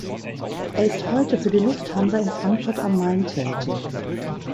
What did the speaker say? Er ist heute für die Lufthansa in Frankfurt am Main tätig.